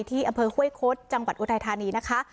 ที่อำเภอห้วยคดจังหวัดอุทัยธานีนะคะ